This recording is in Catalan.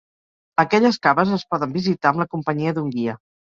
Aquelles caves es poden visitar amb la companyia d'un guia.